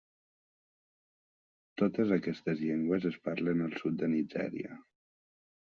Totes aquestes llengües es parlen al sud de Nigèria.